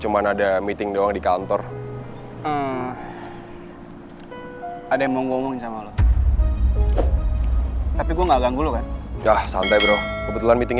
maaf ganggu non